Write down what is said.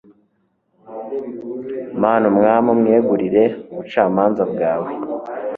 mana, umwami umwegurire ubucamanza bwawe